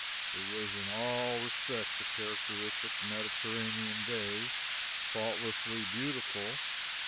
It was in all respects a characteristic Mediterranean day faultlessly beautiful.